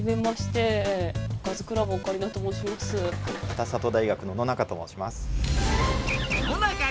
北里大学の野中と申します。